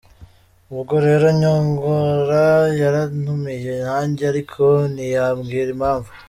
Ubwo rero Nyungura yarantumiye nanjye ariko ntiyambwira impamvu.